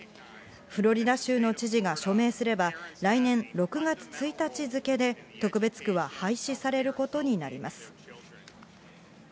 フロリダ州の知事が署名すれば、来年６月１日付で特別区は廃止されることになります。